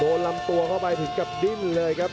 ลำตัวเข้าไปถึงกับดิ้นเลยครับ